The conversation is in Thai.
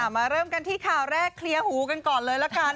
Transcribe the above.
มาเริ่มกันที่ข่าวแรกเคลียร์หูกันก่อนเลยละกัน